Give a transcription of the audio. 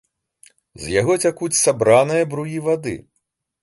З яго цякуць сабраныя бруі вады.